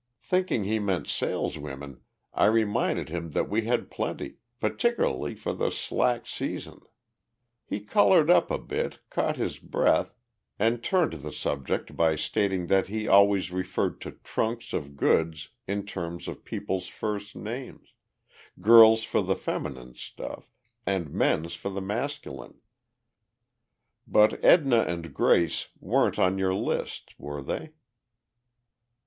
Thinking he meant saleswomen, I reminded him that we had plenty, particularly for the slack season. He colored up a bit, caught his breath, and turned the subject by stating that he always referred to trunks of goods in terms of people's first names girls for the feminine stuff and men's for the masculine. But Edna and Grace weren't on your list, were they?"